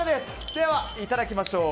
では、いただきましょう。